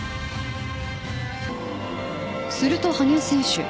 すると羽生選手